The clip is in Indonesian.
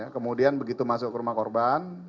kemudian begitu masuk ke rumah korban